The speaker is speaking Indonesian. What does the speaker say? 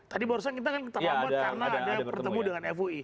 tadi barusan kita kan terlambat karena ada pertemuan dengan fui